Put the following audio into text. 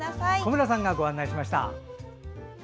小村さんがご案内しました。